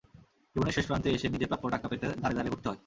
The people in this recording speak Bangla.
জীবনের শেষ প্রান্তে এসে নিজের প্রাপ্য টাকা পেতে দ্বারে দ্বারে ঘুরতে হয়।